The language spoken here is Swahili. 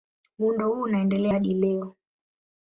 Muundo huu unaendelea hadi leo.